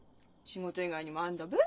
仕事以外にもあんだべ？